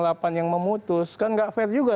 yang memutus kan nggak fair juga